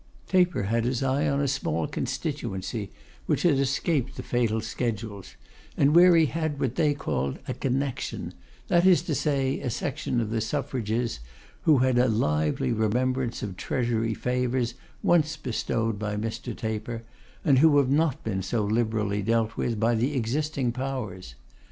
Taper had his eye on a small constituency which had escaped the fatal schedules, and where he had what they called a 'connection;' that is to say, a section of the suffrages who had a lively remembrance of Treasury favours once bestowed by Mr. Taper, and who had not been so liberally dealt with by the existing powers.